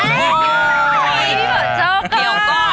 พี่เหาะโจ๊กก